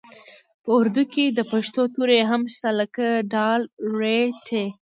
په اردو کې د پښتو توري هم شته لکه ډ ړ ټ